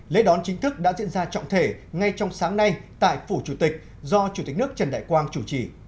lễ đón chính thức đã diễn ra trọng thể ngay trong sáng nay tại phủ chủ tịch do chủ tịch nước trần đại quang chủ trì